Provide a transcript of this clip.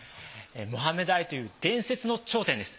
モハメド・アリという伝説の頂点です。